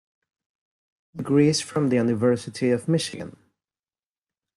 degrees from the University of Michigan.